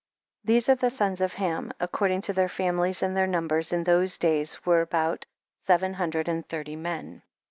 14. These are the sons of Ham, according to their famihes, and their numbers in those days were about seven hundred and thirty men.